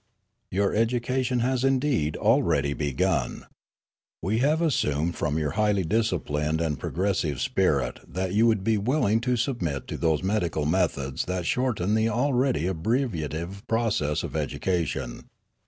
4 'Your education has indeed already begun. We have assumed from your highly disciplined and pro gressive spirit that you would be willing to submit to those medical methods that shorten the already abbre viative process of education.